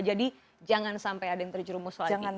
jadi jangan sampai ada yang terjerumus lagi